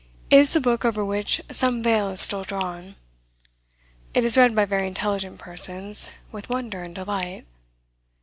It is a book over which some veil is still drawn. It is read by very intelligent persons with wonder and delight.